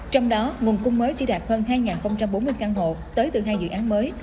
trong đó nguồn cung mới chỉ đạt hơn hai bốn mươi căn hộ tới từ hai dự án mới